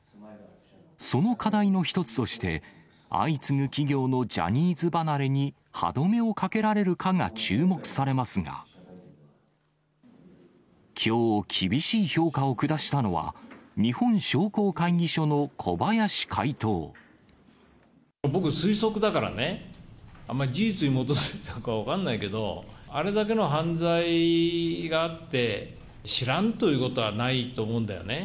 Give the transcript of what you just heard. その課題の一つとして、相次ぐ企業のジャニーズ離れに歯止めをかけられるかが注目されますが、きょう、厳しい評価を下したのは、僕、推測だからね、あまり事実に基づいているか分からないけど、あれだけの犯罪があって、知らんということはないと思うんだよね。